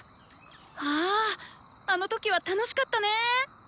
ああの時は楽しかったね！